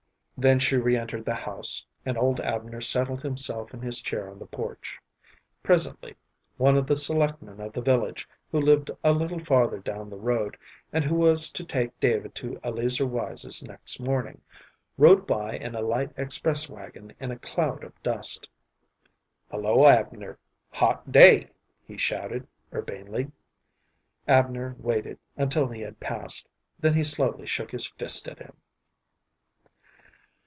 Then she re entered the house, and old Abner settled himself in his chair on the porch. Presently one of the selectmen of the village, who lived a little farther down the road, and who was to take David to Eleazer Wise's next morning, rode by in a light express wagon in a cloud of dust. "Hullo, Abner! Hot day!" he shouted, urbanely. Abner waited until he had passed, then he slowly shook his fist at him.